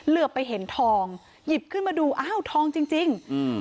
เหลือไปเห็นทองหยิบขึ้นมาดูอ้าวทองจริงจริงอืม